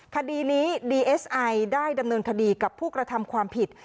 คดีนี้ดีเอสไอได้ดำเนินคดีกับผู้กระทำความผิด